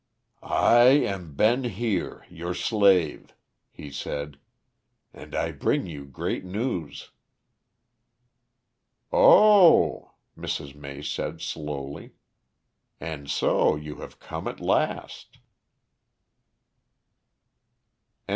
"I am Ben Heer, your slave," he said, "and I bring you great news." "Oh!" Mrs. May said slowly; "and so you have come at last."